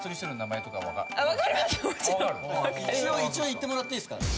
「言ってもらっていいですか？」